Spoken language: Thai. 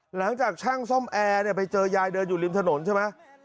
หลังจากช่างซ่อมแอร์ไปเจอยายเดินอยู่ริมถนนใช่ไหม